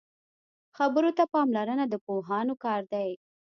خبرو ته پاملرنه د پوهانو کار دی